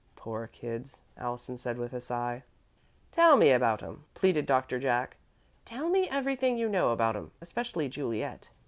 "Poor kids," Allison said, with a sigh. "Tell me about 'em," pleaded Doctor Jack "Tell me everything you know about 'em, especially Juliet."